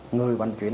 người vận chuyển